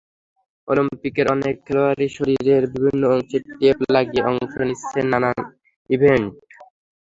অলিম্পিকের অনেক খেলোয়াড়ই শরীরের বিভিন্ন অংশে টেপ লাগিয়ে অংশ নিচ্ছেন নানান ইভেন্টে।